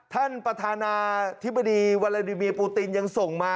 ท่านประธานาธิบดีวาลาดิเมียปูตินยังส่งมา